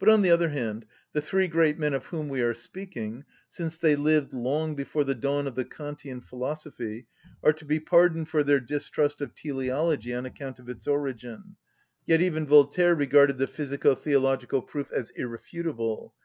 But, on the other hand, the three great men of whom we are speaking, since they lived long before the dawn of the Kantian philosophy, are to be pardoned for their distrust of teleology on account of its origin; yet even Voltaire regarded the physico‐theological proof as irrefutable.